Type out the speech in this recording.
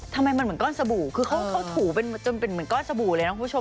ทำไมมันเหมือนก้อนสบู่คือเขาถูเป็นจนเป็นเหมือนก้อนสบู่เลยนะคุณผู้ชม